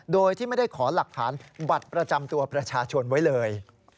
โดยที่ไม่ได้ขอหลักฐานบัตรประจำตัวประชาชนไว้เลย